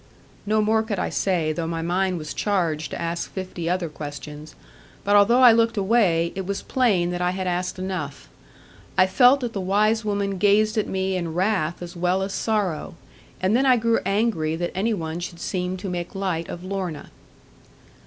No more could I say, though my mind was charged to ask fifty other questions. But although I looked away, it was plain that I had asked enough. I felt that the wise woman gazed at me in wrath as well as sorrow; and then I grew angry that any one should seem to make light of Lorna.